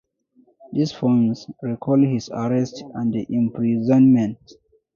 These poems recall his arrest and imprisonment.